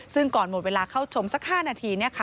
ซึ่งก่อนหมดเวลาเข้าชมสัก๕นาที